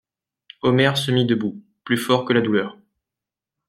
Omer se mit debout, plus fort que la douleur.